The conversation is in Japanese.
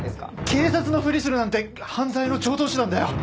警察のふりするなんて犯罪の常套手段だよ！